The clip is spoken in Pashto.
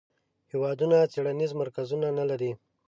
هیوادونه څیړنیز مرکزونه نه لري.